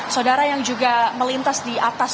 saudara yang juga melintas di atas